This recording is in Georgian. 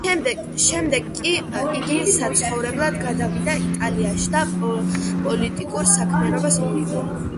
შემდეგ კი იგი საცხოვრებლად გადავიდა იტალიაში და პოლიტიკურ საქმიანობას მიჰყო ხელი.